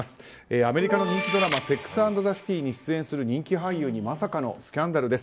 アメリカの人気ドラマ「セックス・アンド・ザ・シティ」に出演する人気俳優にまさかのスキャンダルです。